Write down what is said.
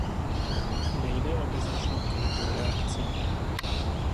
Nejde o bezmyšlenkovitou reakci.